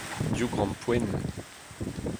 div grampouezhenn.